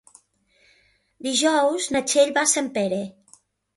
Dijous na Txell va a Sempere.